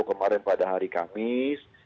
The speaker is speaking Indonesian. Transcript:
kemarin pada hari kamis